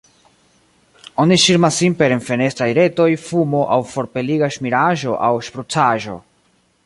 Oni ŝirmas sin per enfenestraj retoj, fumo aŭ forpeliga ŝmiraĵo aŭ ŝprucaĵo.